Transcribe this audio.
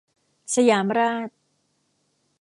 สยามราช